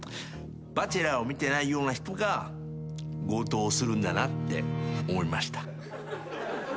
『バチェラー』を見てないような人が強盗をするんだなって思いました。